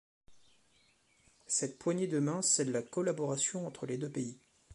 Cette poignée de main scelle la collaboration entre les deux pays.